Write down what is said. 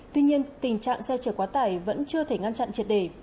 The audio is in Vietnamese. tuy nhiên tình trạng xe chở quá tải vẫn chưa thể ngăn chặn triệt đề